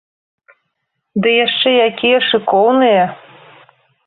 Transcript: Ды яшчэ якія шыкоўныя!